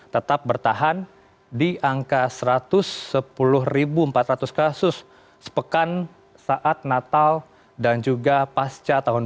tetap bertahan di angka satu ratus sepuluh empat ratus kasus sepekan saat natal dan juga pasca tahun dua ribu dua puluh